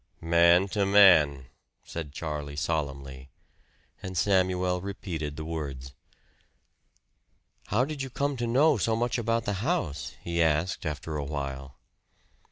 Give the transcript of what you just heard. "Man to man," said Charlie solemnly; and Samuel repeated the words. "How did you come to know so much about the house?" he asked after a while.